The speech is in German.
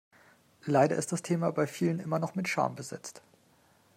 Leider ist das Thema bei vielen immer noch mit Scham besetzt.